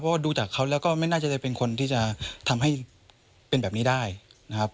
เพราะว่าดูจากเขาแล้วก็ไม่น่าจะเป็นคนที่จะทำให้เป็นแบบนี้ได้นะครับ